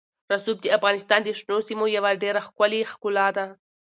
رسوب د افغانستان د شنو سیمو یوه ډېره ښکلې ښکلا ده.